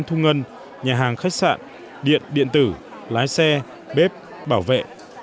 thu ngân nhà hàng khách sạn điện điện tử lái xe bếp bảo vệ